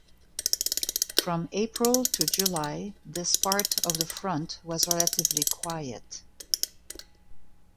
From April to July this part of the front was relatively quiet.